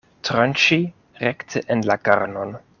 Tranĉi rekte en la karnon.